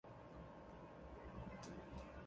潮湿的气候可能防止糖硬化。